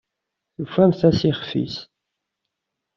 Tufamt-as ixf-is.